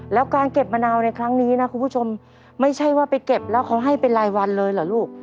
แล้วการเก็บมะนาวในครั้งนี้นะคุณผู้ชมไม่ใช่ว่าไปเก็บแล้วเขาให้เป็นรายวันเลยเหรอลูก